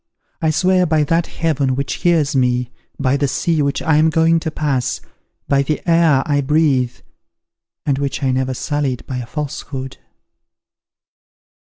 I swear by that Heaven which hears me, by the sea which I am going to pass, by the air I breathe, and which I never sullied by a falsehood."